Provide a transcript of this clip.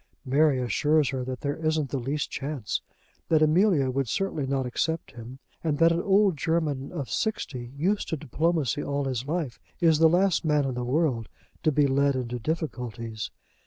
Mary assures her that there isn't the least chance, that Amelia would certainly not accept him, and that an old German of sixty, used to diplomacy all his life, is the last man in the world to be led into difficulties.